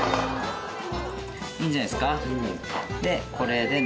いいんじゃないですか。